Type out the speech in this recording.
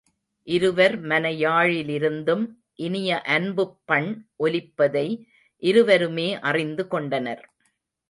இருவர் மன யாழிலிருந்தும் இனிய அன்புப் பண் ஒலிப்பதை இருவருமே அறிந்து கொண்டனர்.